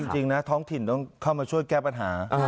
จริงนะท้องถิ่นต้องเข้ามาช่วยแก้ปัญหา